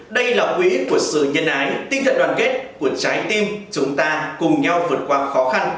đây là quỹ của sự nhân ái tinh thần đoàn kết của trái tim chúng ta cùng nhau vượt qua khó khăn